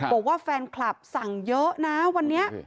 บอกว่าแฟนคลับสั่งเยอะนะวันนี้